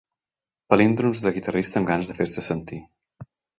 Palíndroms de guitarrista amb ganes de fer-se sentir.